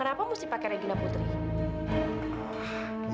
kenapa harus dipakai regina putri